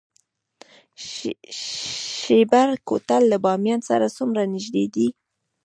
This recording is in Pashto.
شیبر کوتل له بامیان سره څومره نږدې دی؟